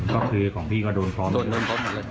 ก็คือของพี่ก็โดนพร้อม